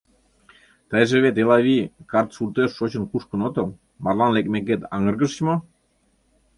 Тыйже вет, Элавий, карт суртеш шочын-кушкын отыл, марлан лекмекет аҥыргышыч мо?